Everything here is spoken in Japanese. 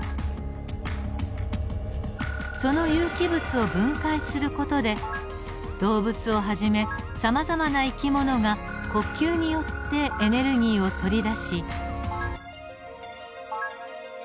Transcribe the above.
その有機物を分解する事で動物をはじめさまざまな生き物が呼吸によってエネルギーを取り出し。